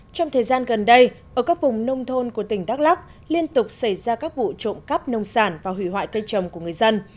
trong thời gian gần đây ở các vùng nông thôn của tỉnh đắk lắc liên tục xảy ra các vụ trộm cắp nông sản và hủy hoại cây trồng của người dân